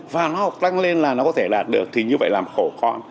và nó học tăng lên là nó có thể đạt được thì như vậy làm khổ con